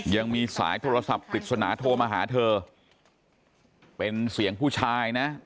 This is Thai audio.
ยังมีสายโทรศัพท์ปริศนาโทรมาหาเธอเป็นเสียงผู้ชายนะ